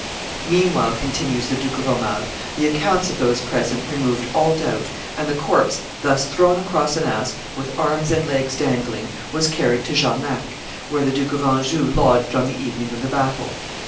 Meanwhile," continues the Duke of Aumale, "the accounts of those present removed all doubt; and the corpse, thus thrown across an ass, with arms and legs dangling, was carried to Jarnac, where the Duke of Anjou lodged on the evening of the battle.